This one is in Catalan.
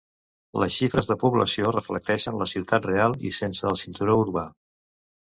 Les xifres de població reflecteixen la ciutat real i sense el cinturó urbà.